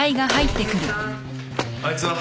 あいつは？